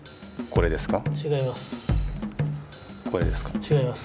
これですか？